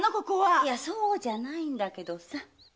いやそうじゃないけどさ。